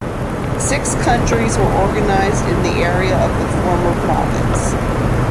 Six counties were organized in the area of the former province.